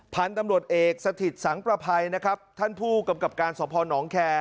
พันธุ์ตำรวจเอกสถิตสังประภัยนะครับท่านผู้กำกับการสพนแคร์